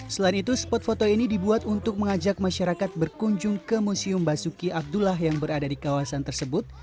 selain itu spot foto ini dibuat untuk mengajak masyarakat berkunjung ke museum basuki abdullah yang berada di kawasan tersebut